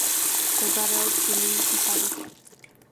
მდებარეობს ჟილინის მხარეში.